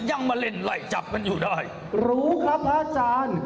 ยังมาเล่นไล่จับมันอยู่ได้รู้ครับพระอาจารย์